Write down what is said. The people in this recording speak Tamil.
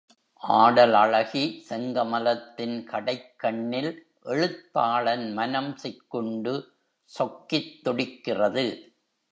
ஆடலழகி செங்கமலத்தின் கடைக்கண்ணில் எழுத்தாளன் மனம் சிக்குண்டு சொக்கித் துடிக்கிறது.